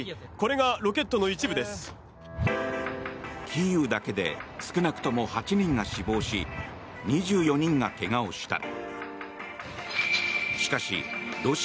キーウだけで少なくとも８人が死亡し２４人が怪我をした。